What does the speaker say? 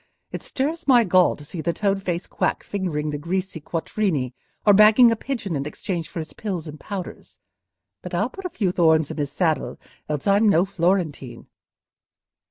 It stirs my gall to see the toad faced quack fingering the greasy quattrini, or bagging a pigeon in exchange for his pills and powders. But I'll put a few thorns in his saddle, else I'm no Florentine.